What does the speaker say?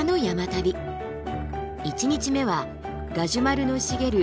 １日目はガジュマルの茂る